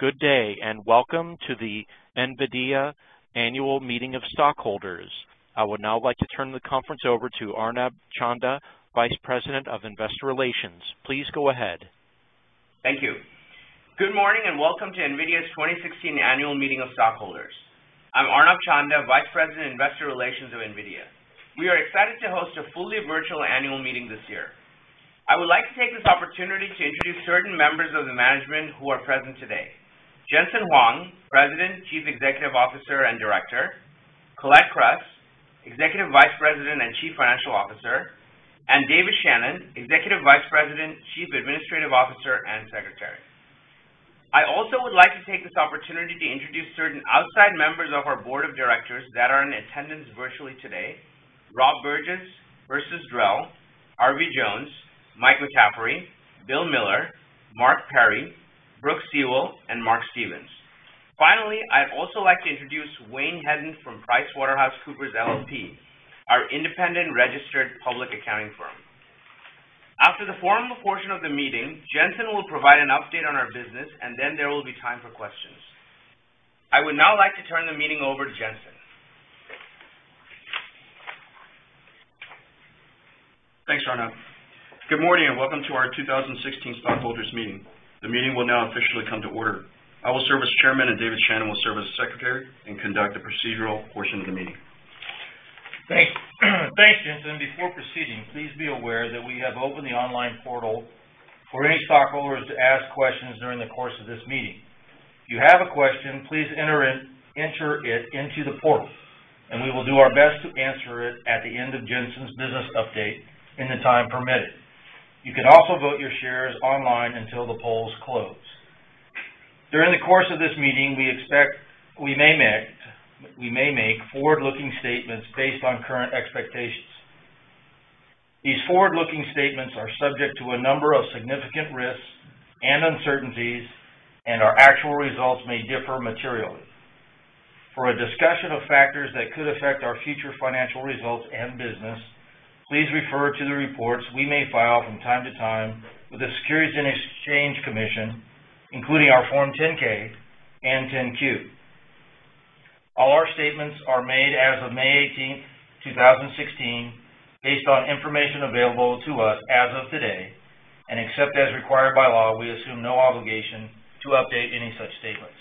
Good day, and welcome to the NVIDIA annual meeting of stockholders. I would now like to turn the conference over to Arnab Chanda, Vice President of Investor Relations. Please go ahead. Thank you. Good morning, and welcome to NVIDIA's 2016 annual meeting of stockholders. I'm Arnab Chanda, Vice President, Investor Relations of NVIDIA. We are excited to host a fully virtual annual meeting this year. I would like to take this opportunity to introduce certain members of the management who are present today. Jen-Hsun Huang, President, Chief Executive Officer, and Director, Colette Kress, Executive Vice President and Chief Financial Officer, and David Shannon, Executive Vice President, Chief Administrative Officer, and Secretary. I also would like to take this opportunity to introduce certain outside members of our board of directors that are in attendance virtually today, Rob Burgess, Persis Drell, Harvey C. Jones, Mike McCaffrey, Bill Miller, Mark Perry, Brooke Seawell, and Mark Stevens. I'd also like to introduce Wayne Hedden from PricewaterhouseCoopers LLP, our independent registered public accounting firm. After the formal portion of the meeting, Jen-Hsun will provide an update on our business, and then there will be time for questions. I would now like to turn the meeting over to Jen-Hsun. Thanks, Arnab. Good morning, and welcome to our 2016 stockholders meeting. The meeting will now officially come to order. I will serve as chairman, and David Shannon will serve as secretary and conduct the procedural portion of the meeting. Thanks. Thanks, Jen-Hsun. Before proceeding, please be aware that we have opened the online portal for any stockholders to ask questions during the course of this meeting. If you have a question, please enter it into the portal, and we will do our best to answer it at the end of Jen-Hsun's business update in the time permitted. You can also vote your shares online until the polls close. During the course of this meeting, we may make forward-looking statements based on current expectations. These forward-looking statements are subject to a number of significant risks and uncertainties, and our actual results may differ materially. For a discussion of factors that could affect our future financial results and business, please refer to the reports we may file from time to time with the Securities and Exchange Commission, including our Form 10-K and 10-Q. All our statements are made as of May 18th, 2016, based on information available to us as of today. Except as required by law, we assume no obligation to update any such statements.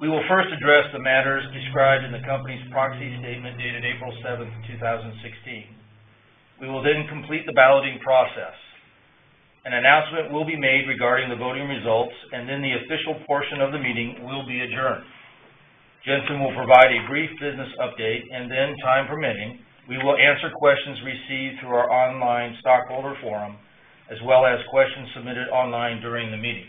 We will first address the matters described in the company's proxy statement dated April 7th, 2016. We will complete the balloting process. An announcement will be made regarding the voting results. The official portion of the meeting will be adjourned. Jen-Hsun will provide a brief business update. Time permitting, we will answer questions received through our online stockholder forum, as well as questions submitted online during the meeting.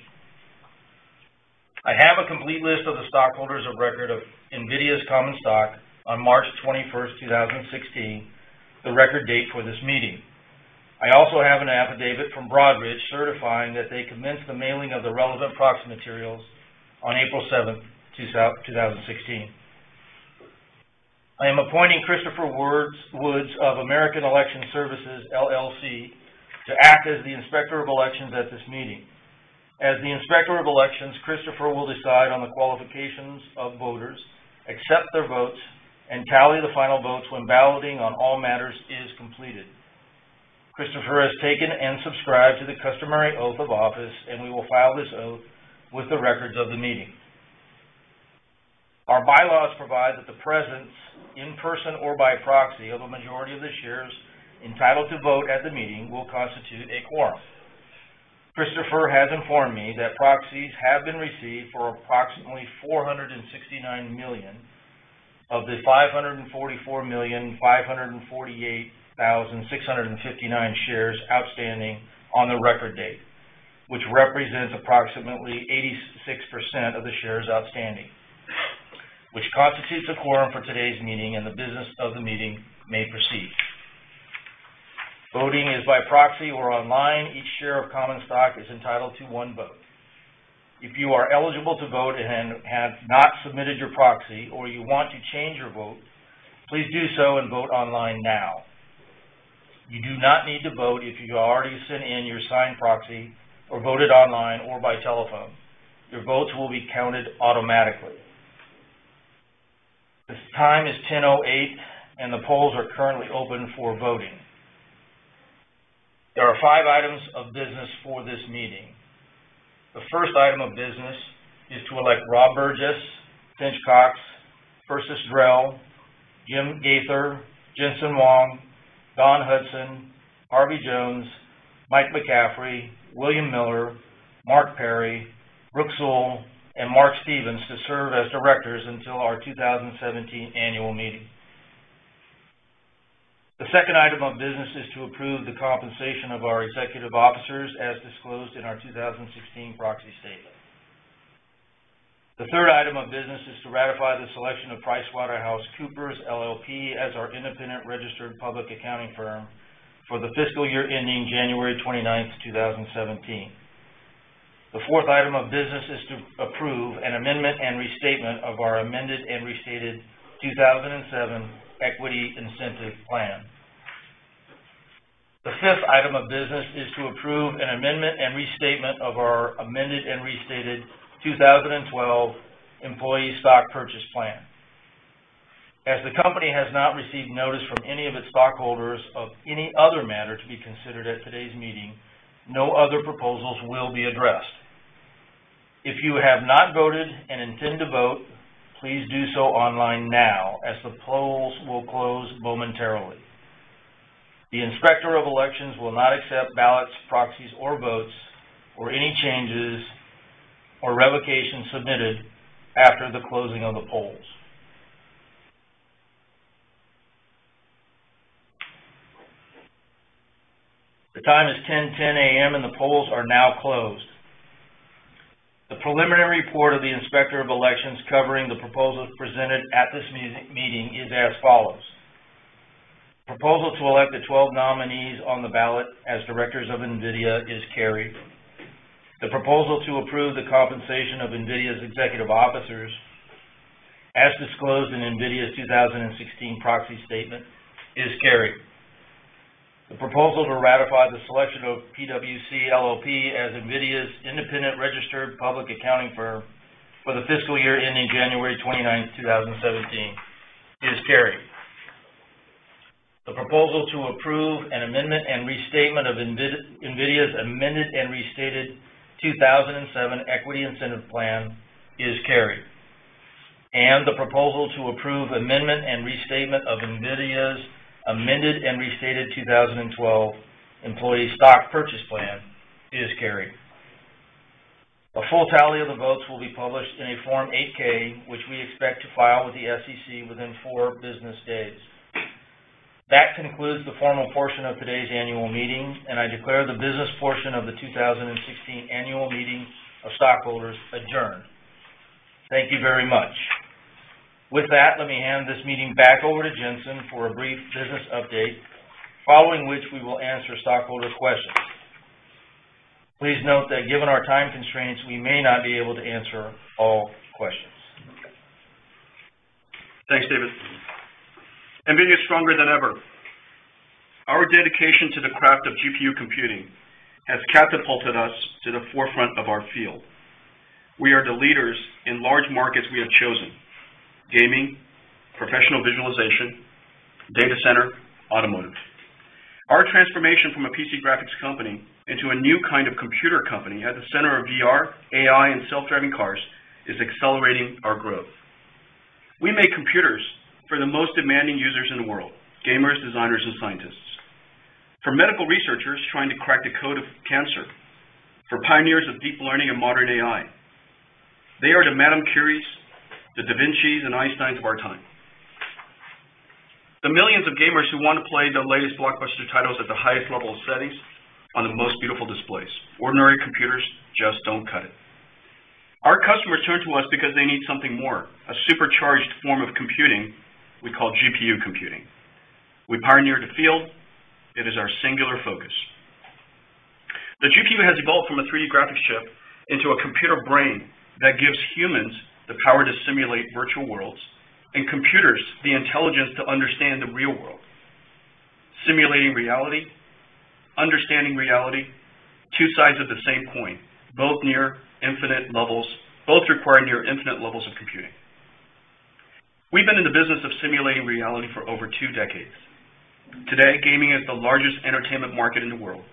I have a complete list of the stockholders of record of NVIDIA's common stock on March 21st, 2016, the record date for this meeting. I also have an affidavit from Broadridge certifying that they commenced the mailing of the relevant proxy materials on April 7th, 2016. I am appointing Christopher Woods of American Election Services, LLC to act as the inspector of elections at this meeting. As the inspector of elections, Christopher will decide on the qualifications of voters, accept their votes, and tally the final votes when balloting on all matters is completed. Christopher has taken and subscribed to the customary oath of office. We will file this oath with the records of the meeting. Our bylaws provide that the presence in person or by proxy of a majority of the shares entitled to vote at the meeting will constitute a quorum. Christopher has informed me that proxies have been received for approximately 469 million of the 544,548,659 shares outstanding on the record date, which represents approximately 86% of the shares outstanding, which constitutes a quorum for today's meeting. The business of the meeting may proceed. Voting is by proxy or online. Each share of common stock is entitled to one vote. If you are eligible to vote and have not submitted your proxy, you want to change your vote, please do so and vote online now. You do not need to vote if you already sent in your signed proxy or voted online or by telephone. Your votes will be counted automatically. The time is 10:08 A.M. The polls are currently open for voting. There are five items of business for this meeting. The first item of business is to elect Rob Burgess, Tench Coxe, Persis Drell, Jim Gaither, Jen-Hsun Huang, Dawn Hudson, Harvey Jones, Mike McCaffrey, William Miller, Mark Perry, Brooke Seawell, and Mark Stevens to serve as directors until our 2017 annual meeting. The second item of business is to approve the compensation of our executive officers as disclosed in our 2016 proxy statement. The third item of business is to ratify the selection of PricewaterhouseCoopers LLP as our independent registered public accounting firm for the fiscal year ending January 29th, 2017. The fourth item of business is to approve an amendment and restatement of our Amended and Restated 2007 Equity Incentive Plan. The fifth item of business is to approve an amendment and restatement of our Amended and Restated 2012 Employee Stock Purchase Plan. As the company has not received notice from any of its stockholders of any other matter to be considered at today's meeting, no other proposals will be addressed. If you have not voted and intend to vote, please do so online now, as the polls will close momentarily. The Inspector of Elections will not accept ballots, proxies or votes, or any changes or revocations submitted after the closing of the polls. The time is 10:10 A.M. and the polls are now closed. The preliminary report of the Inspector of Elections covering the proposals presented at this meeting is as follows. Proposal to elect the 12 nominees on the ballot as directors of NVIDIA is carried. The proposal to approve the compensation of NVIDIA's executive officers as disclosed in NVIDIA's 2016 proxy statement is carried. The proposal to ratify the selection of PwC LLP as NVIDIA's independent registered public accounting firm for the fiscal year ending January 29th, 2017, is carried. The proposal to approve an amendment and restatement of NVIDIA's Amended and Restated 2007 Equity Incentive Plan is carried. The proposal to approve amendment and restatement of NVIDIA's Amended and Restated 2012 Employee Stock Purchase Plan is carried. A full tally of the votes will be published in a Form 8-K, which we expect to file with the SEC within four business days. That concludes the formal portion of today's annual meeting, and I declare the business portion of the 2016 annual meeting of stockholders adjourned. Thank you very much. With that, let me hand this meeting back over to Jen-Hsun for a brief business update, following which we will answer stockholder questions. Please note that given our time constraints, we may not be able to answer all questions. Thanks, David. NVIDIA is stronger than ever. Our dedication to the craft of GPU computing has catapulted us to the forefront of our field. We are the leaders in large markets we have chosen: gaming, professional visualization, data center, automotive. Our transformation from a PC graphics company into a new kind of computer company at the center of VR, AI, and self-driving cars is accelerating our growth. We make computers for the most demanding users in the world, gamers, designers, and scientists. For medical researchers trying to crack the code of cancer, for pioneers of deep learning and modern AI. They are the Madame Curies, the Da Vincis, and Einsteins of our time. The millions of gamers who want to play the latest blockbuster titles at the highest level of settings on the most beautiful displays. Ordinary computers just don't cut it. Our customers turn to us because they need something more, a supercharged form of computing we call GPU computing. We pioneered the field. It is our singular focus. The GPU has evolved from a 3D graphics chip into a computer brain that gives humans the power to simulate virtual worlds and computers the intelligence to understand the real world. Simulating reality, understanding reality, two sides of the same coin, both require near infinite levels of computing. We've been in the business of simulating reality for over two decades. Today, gaming is the largest entertainment market in the world,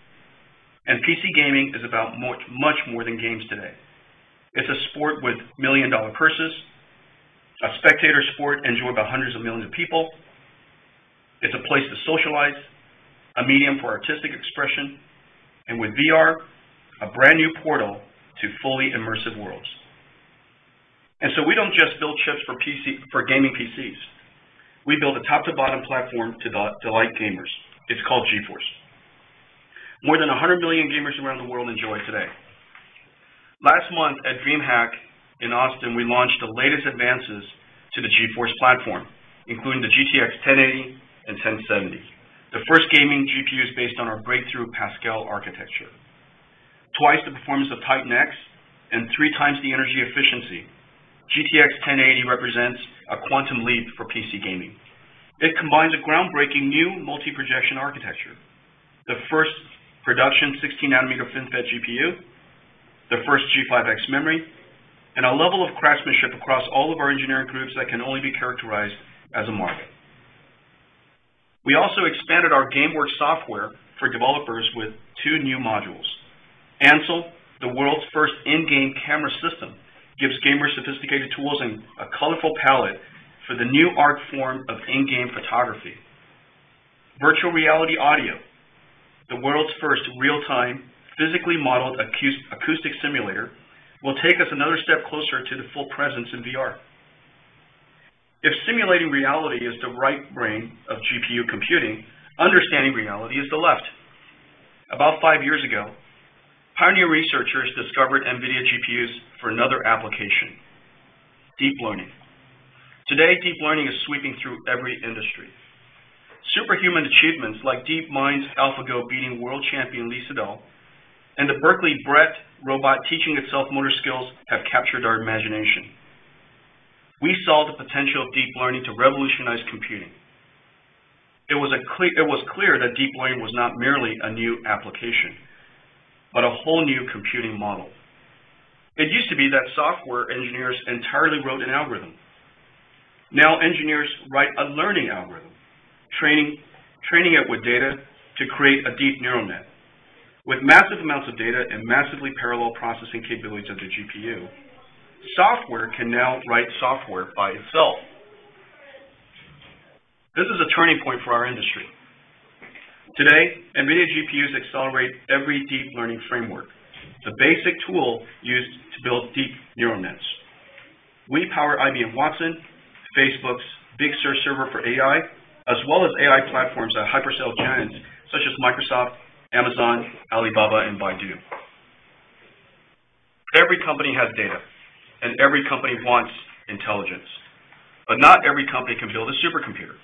and PC gaming is about much more than games today. It's a sport with million-dollar purses, a spectator sport enjoyed by hundreds of millions of people. It's a place to socialize, a medium for artistic expression, and with VR, a brand-new portal to fully immersive worlds. We don't just build chips for gaming PCs. We build a top-to-bottom platform to delight gamers. It's called GeForce. More than 100 million gamers around the world enjoy today. Last month at DreamHack in Austin, we launched the latest advances to the GeForce platform, including the GTX 1080 and 1070. The first gaming GPUs based on our breakthrough Pascal architecture. Twice the performance of Titan X and three times the energy efficiency, GTX 1080 represents a quantum leap for PC gaming. It combines a groundbreaking new multi-projection architecture, the first production 16-nanometer FinFET GPU, the first G5X memory, and a level of craftsmanship across all of our engineering groups that can only be characterized as a marvel. We also expanded our GameWorks software for developers with two new modules. Ansel, the world's first in-game camera system, gives gamers sophisticated tools and a colorful palette for the new art form of in-game photography. Virtual reality audio, the world's first real-time, physically modeled acoustic simulator, will take us another step closer to the full presence in VR. If simulating reality is the right brain of GPU computing, understanding reality is the left. About five years ago, pioneer researchers discovered NVIDIA GPUs for another application deep learning. Today, deep learning is sweeping through every industry. Superhuman achievements like DeepMind's AlphaGo beating world champion Lee Sedol, and the Berkeley BRETT robot teaching itself motor skills have captured our imagination. We saw the potential of deep learning to revolutionize computing. It was clear that deep learning was not merely a new application, but a whole new computing model. It used to be that software engineers entirely wrote an algorithm. Engineers write a learning algorithm, training it with data to create a deep neural net. With massive amounts of data and massively parallel processing capabilities of the GPU, software can now write software by itself. This is a turning point for our industry. Today, NVIDIA GPUs accelerate every deep learning framework, the basic tool used to build deep neural nets. We power IBM Watson, Facebook's Big Sur server for AI, as well as AI platforms at hyperscale giants such as Microsoft, Amazon, Alibaba, and Baidu. Every company has data, and every company wants intelligence, but not every company can build a supercomputer.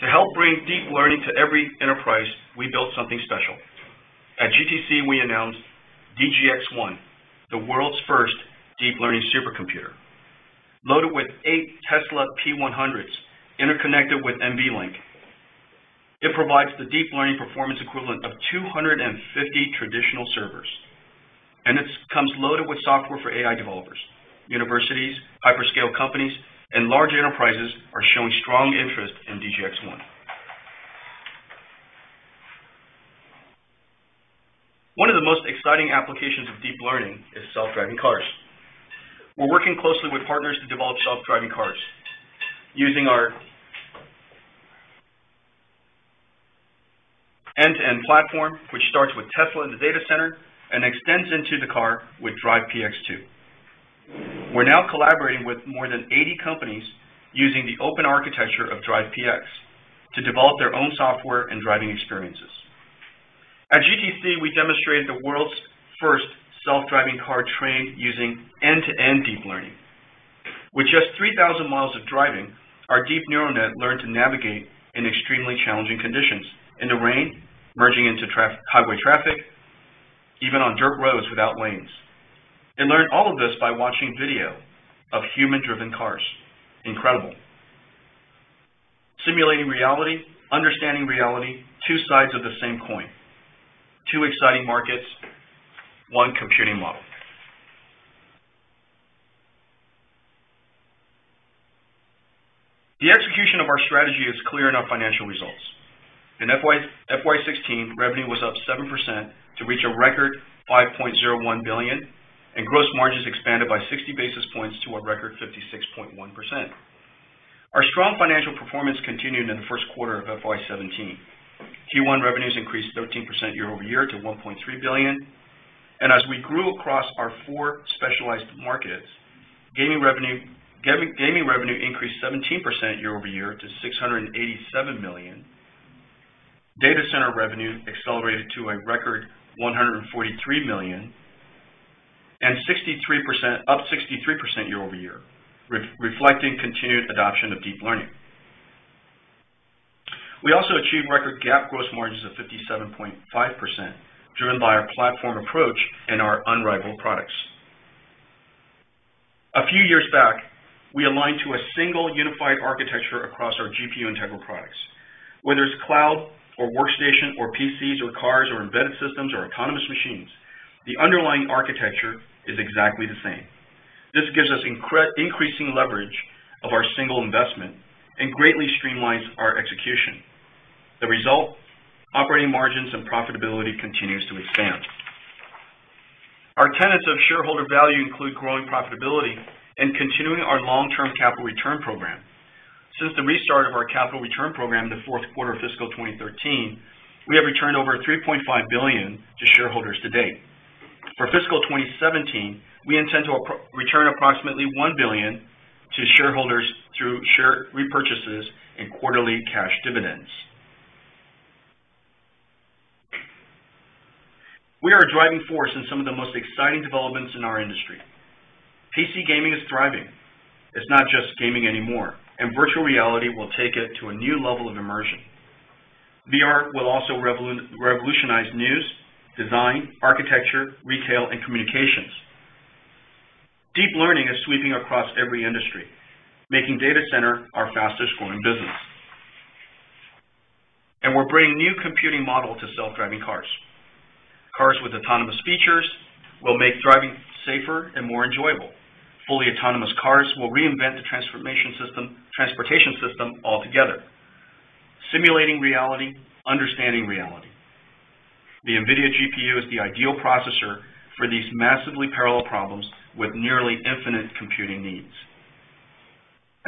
To help bring deep learning to every enterprise, we built something special. At GTC, we announced DGX-1, the world's first deep learning supercomputer. Loaded with eight Tesla P100s interconnected with NVLink, it provides the deep learning performance equivalent of 250 traditional servers, and it comes loaded with software for AI developers. Universities, hyperscale companies, and large enterprises are showing strong interest in DGX-1. One of the most exciting applications of deep learning is self-driving cars. We're working closely with partners to develop self-driving cars using our end-to-end platform, which starts with Tesla in the data center and extends into the car with DRIVE PX 2. We're now collaborating with more than 80 companies using the open architecture of DRIVE PX to develop their own software and driving experiences. At GTC, we demonstrated the world's first self-driving car trained using end-to-end deep learning. With just 3,000 miles of driving, our deep neural net learned to navigate in extremely challenging conditions. In the rain, merging into highway traffic, even on dirt roads without lanes. It learned all of this by watching video of human-driven cars. Incredible. Simulating reality, understanding reality, two sides of the same coin. Two exciting markets, one computing model. The execution of our strategy is clear in our financial results. In FY 2016, revenue was up 7% to reach a record $5.01 billion, and gross margins expanded by 60 basis points to a record 56.1%. Our strong financial performance continued in the first quarter of FY 2017. Q1 revenues increased 13% year-over-year to $1.3 billion, and as we grew across our four specialized markets, gaming revenue increased 17% year-over-year to $687 million. Data center revenue accelerated to a record $143 million, up 63% year-over-year, reflecting continued adoption of deep learning. We also achieved record GAAP gross margins of 57.5%, driven by our platform approach and our unrivaled products. A few years back, we aligned to a single unified architecture across our GPU integral products. Whether it's cloud or workstation or PCs or cars or embedded systems or autonomous machines, the underlying architecture is exactly the same. This gives us increasing leverage of our single investment and greatly streamlines our execution. The result, operating margins and profitability continues to expand. Our tenets of shareholder value include growing profitability and continuing our long-term capital return program. Since the restart of our capital return program in the fourth quarter of fiscal 2013, we have returned over $3.5 billion to shareholders to date. For fiscal 2017, we intend to return approximately $1 billion to shareholders through share repurchases and quarterly cash dividends. We are a driving force in some of the most exciting developments in our industry. PC gaming is thriving. It's not just gaming anymore. Virtual reality will take it to a new level of immersion. VR will also revolutionize news, design, architecture, retail, and communications. Deep learning is sweeping across every industry, making data center our fastest growing business. We're bringing new computing model to self-driving cars. Cars with autonomous features will make driving safer and more enjoyable. Fully autonomous cars will reinvent the transportation system altogether. Simulating reality, understanding reality. The NVIDIA GPU is the ideal processor for these massively parallel problems with nearly infinite computing needs.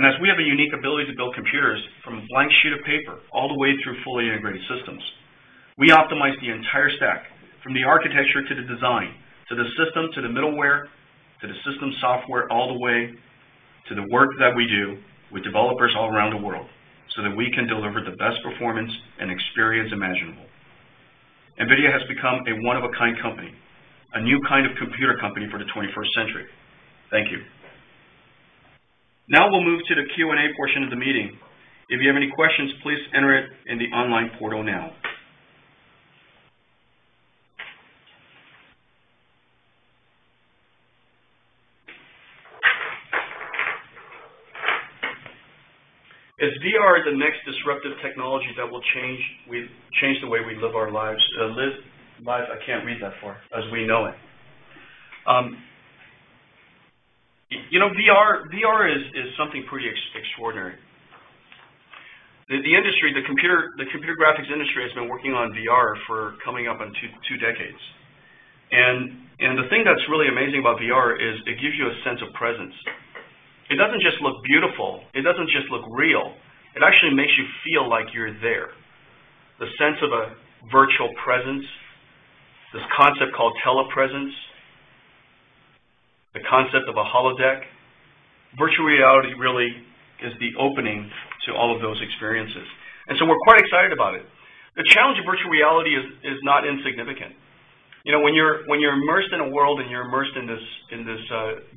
As we have a unique ability to build computers from a blank sheet of paper all the way through fully integrated systems, we optimize the entire stack, from the architecture to the design, to the system, to the middleware, to the system software, all the way to the work that we do with developers all around the world so that we can deliver the best performance and experience imaginable. NVIDIA has become a one-of-a-kind company, a new kind of computer company for the 21st century. Thank you. Now we'll move to the Q&A portion of the meeting. If you have any questions, please enter it in the online portal now. Is VR the next disruptive technology that will change the way we live life as we know it? VR is something pretty extraordinary. The computer graphics industry has been working on VR for coming up on two decades. The thing that's really amazing about VR is it gives you a sense of presence. It doesn't just look beautiful. It doesn't just look real. It actually makes you feel like you're there. The sense of a virtual presence, this concept called telepresence, the concept of a holodeck. Virtual reality really is the opening to all of those experiences. We're quite excited about it. The challenge of virtual reality is not insignificant. When you're immersed in a world and you're immersed in this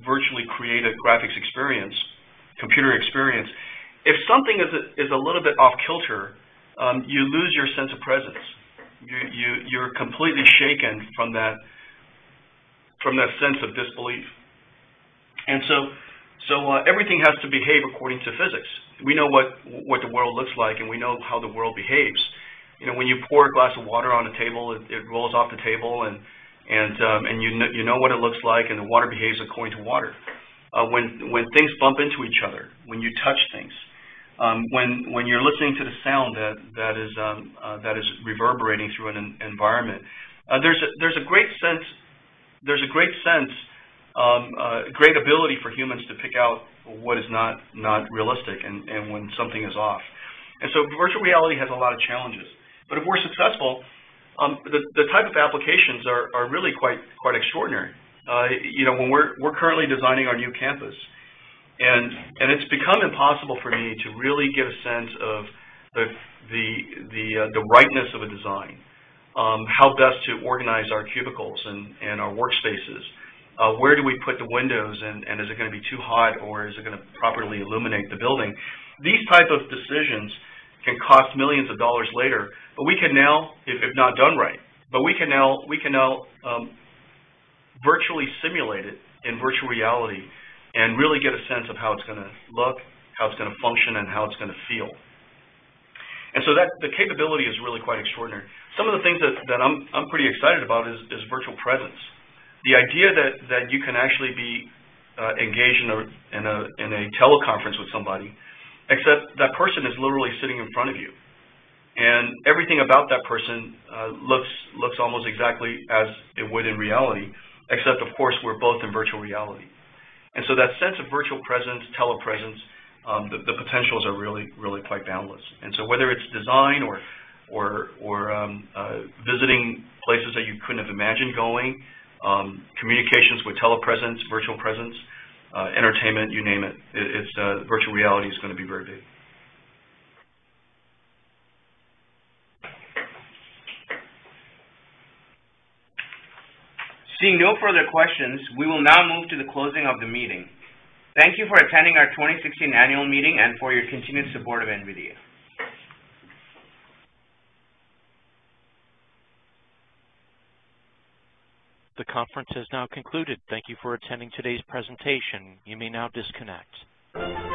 virtually created graphics experience, computer experience, if something is a little bit off-kilter, you lose your sense of presence. You're completely shaken from that sense of disbelief. Everything has to behave according to physics. We know what the world looks like, and we know how the world behaves. When you pour a glass of water on a table, it rolls off the table, and you know what it looks like, and the water behaves according to water. When things bump into each other, when you touch things, when you're listening to the sound that is reverberating through an environment, there's a great sense, great ability for humans to pick out what is not realistic and when something is off. Virtual reality has a lot of challenges. If we're successful, the type of applications are really quite extraordinary. We're currently designing our new campus, and it's become impossible for me to really get a sense of the rightness of a design. How best to organize our cubicles and our workspaces. Where do we put the windows, and is it going to be too hot, or is it going to properly illuminate the building? These type of decisions can cost millions of dollars later if not done right. We can now virtually simulate it in virtual reality and really get a sense of how it's going to look, how it's going to function, and how it's going to feel. The capability is really quite extraordinary. Some of the things that I'm pretty excited about is virtual presence. The idea that you can actually be engaged in a teleconference with somebody, except that person is literally sitting in front of you. Everything about that person looks almost exactly as it would in reality, except, of course, we're both in virtual reality. That sense of virtual presence, telepresence, the potentials are really quite boundless. Whether it's design or visiting places that you couldn't have imagined going, communications with telepresence, virtual presence, entertainment, you name it, virtual reality is going to be very big. Seeing no further questions, we will now move to the closing of the meeting. Thank you for attending our 2016 annual meeting and for your continued support of NVIDIA. The conference has now concluded. Thank you for attending today's presentation. You may now disconnect.